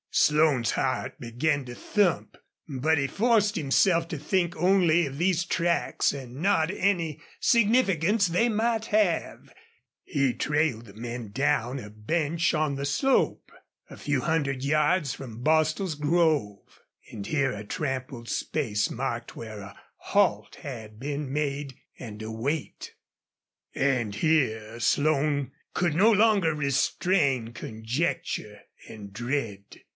Slone's heart began to thump. But he forced himself to think only of these tracks and not any significance they might have. He trailed the men down to a bench on the slope, a few hundred yards from Bostil's grove, and here a trampled space marked where a halt had been made and a wait. And here Slone could no longer restrain conjecture and dread.